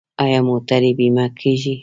آیا موټرې بیمه کیږي؟